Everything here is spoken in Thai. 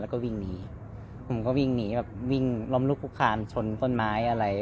ก็วิ่งหนีผมก็วิ่งหนีแบบวิ่งล้อมรุกปุ๊บคลานชนส้นไม้อะไร